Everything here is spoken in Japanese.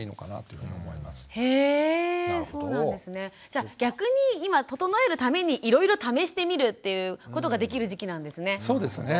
じゃ逆に今整えるためにいろいろ試してみるということができる時期なんですね。